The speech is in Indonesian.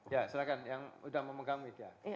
ya silahkan yang udah mau menggambit ya